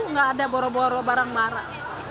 nggak ada boroboro barang barang